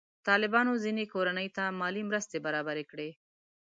طالبانو ځینې کورنۍ ته مالي مرستې برابرې کړي.